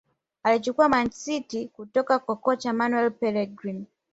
Aliichukua Man City kutoka kwa kocha Manuel Pelegrini